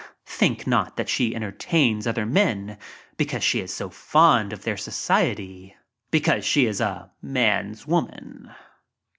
Think not that she "entertains" other men be cause she is so fond of their society — because she is a "man's woman."